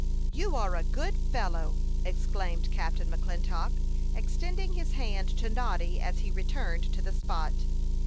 "You are a good fellow!" exclaimed Captain McClintock, extending his hand to Noddy as he returned to the spot.